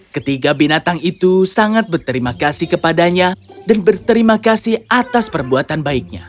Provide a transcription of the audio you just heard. ketiga binatang itu sangat berterima kasih kepadanya dan berterima kasih atas perbuatan baiknya